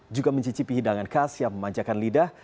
juga mencicipi hidangan khas yang memanjakan lidah